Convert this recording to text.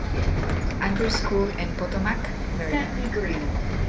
Andrew's School en Potomac, Maryland.